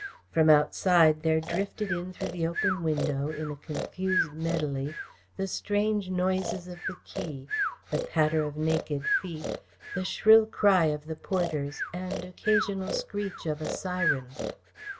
From outside, there drifted in through the open window, in a confused medley, the strange noises of the quay, the patter of naked feet, the shrill cry of the porters and occasional screech of a siren.